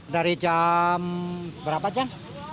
dari jam berapa jan